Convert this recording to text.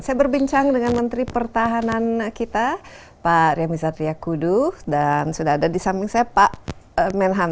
saya berbincang dengan menteri pertahanan kita pak riamiza tria kudu dan sudah ada di samping saya pak menhan